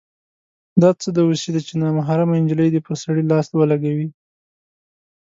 دا څه دوسي ده چې نامحرمه نجلۍ دې پر سړي لاس ولګوي.